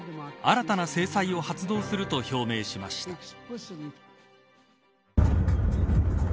新たな制裁を発動すると表明しました。